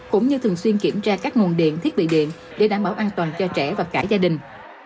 cũng như thường xuyên kiểm tra các nguồn điện thiết bị điện để đảm bảo an toàn cho trẻ và cả gia đình